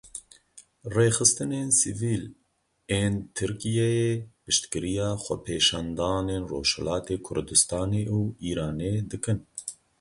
Rêxistinên sivîl ên Tirkiyeyê piştgiriya xwepêşandanên Rojhilatê Kurdistanê û Îranê dikin.